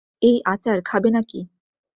এই, আচার খাবে নাকি?